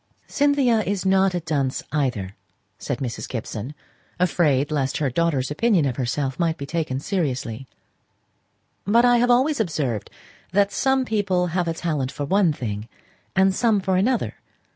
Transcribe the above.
"Cynthia is not a dunce either," said Mrs. Gibson, afraid lest her daughter's opinion of herself might be taken seriously. "But I have always observed that some people have a talent for one thing and some for another.